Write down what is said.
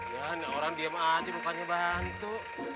ya ini orang diam aja mukanya bantu